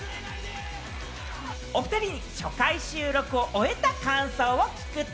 おふたりに初回収録を終えた感想を聞くと。